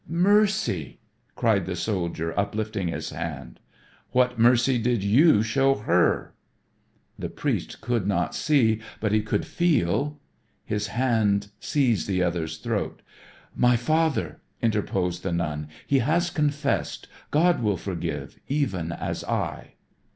"Mercy," cried the soldier uplifting his hand. "What mercy did you show her?" The priest could not see but he could feel. His hand seized the other's throat. "My father," interposed the nun. "He has confessed. God will forgive, even as I."